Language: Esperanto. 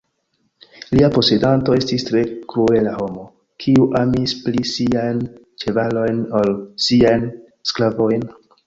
Lia posedanto estis tre kruela homo, kiu amis pli siajn ĉevalojn ol siajn sklavojn.